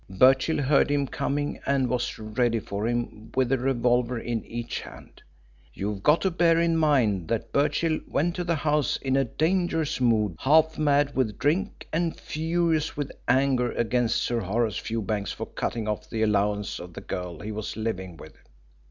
Birchill heard him coming and was ready for him with a revolver in each hand. You've got to bear in mind that Birchill went to the house in a dangerous mood, half mad with drink, and furious with anger against Sir Horace Fewbanks for cutting off the allowance of the girl he was living with.